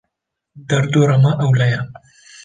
Derdora me ewle ye.